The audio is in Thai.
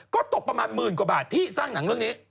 ก็ตกประมาณหมื่นกว่าบาทพี่สร้างหนังเรื่องนี้